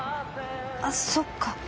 あそっか。